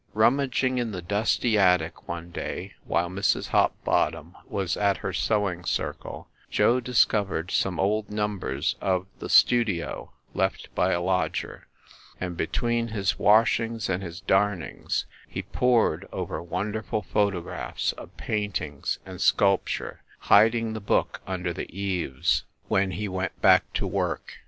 Rummaging in the dusty attic one day while Mrs. Hopbottom was at her sewing circle, Joe discovered some old numbers of the "Studio" left by a lodger; and, between his washings and his darnings, he pored over wonderful photographs of paintings and sculpture, hiding the book under the eaves when 8 FIND THE WOMAN he went back to work.